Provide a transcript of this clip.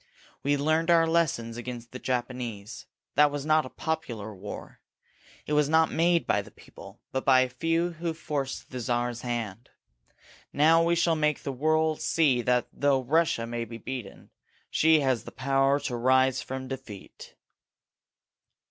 We learned our lessons against the Japanese. That was not a popular war. It was not made by the people, but by a few who forced the Czar's hand. Now we shall make the world see that though Russia may be beaten, she has the power to rise from defeat."